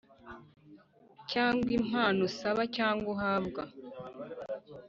cyangwa impano, usaba cyangwa uhabwa